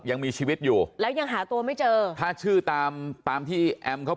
ยังมีชีวิตอยู่แล้วยังหาตัวไม่เจอถ้าชื่อตามตามที่แอมเขา